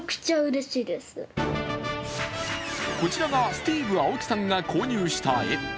こちらが、スティーヴ・アオキさんが購入した絵。